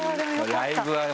ライブはね